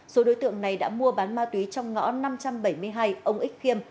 số đối tượng này đã mua bán ma túy trong ngõ năm trăm bảy mươi hai ông ích khiêm